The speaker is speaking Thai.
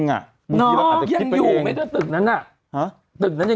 ฟังลูกครับ